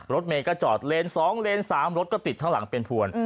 รถเมก็จอดเลนสองเลนสามรถก็ติดทางหลังเป็นพวน